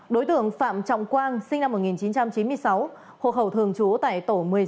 đối tượng phạm trọng quang sinh năm một nghìn chín trăm chín mươi sáu hộ khẩu thường trú tại tổ một mươi sáu